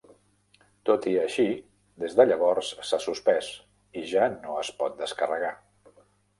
Tot i així, des de llavors s'ha suspès i ja no es pot descarregar.